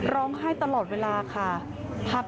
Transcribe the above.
ร้องไห้ตลอดเวลาค่ะ